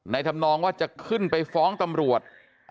ทำนองว่าจะขึ้นไปฟ้องตำรวจ